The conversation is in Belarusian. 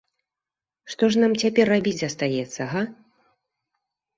Што ж нам цяпер рабіць астаецца, га?